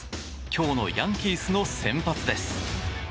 今日のヤンキースの先発です。